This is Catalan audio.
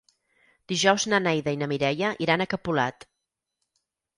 Dijous na Neida i na Mireia iran a Capolat.